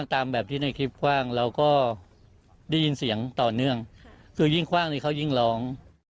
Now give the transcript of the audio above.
ตามแบบที่ในคลิปคว่างเราก็ได้ยินเสียงต่อเนื่องคือยิ่งคว่างนี่เขายิ่งร้อง